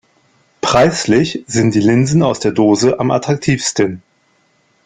Preislich sind die Linsen aus der Dose am attraktivsten.